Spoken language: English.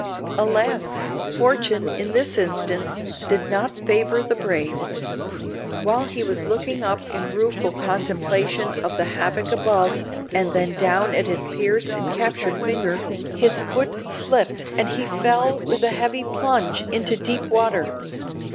Alas! fortune, in this instance, did not favour the brave. While he was looking up in rueful contemplation of the havoc above, and then down at his pierced and captured finger, his foot slipped and he fell with a heavy plunge into deep water.